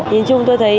thì chung tôi thấy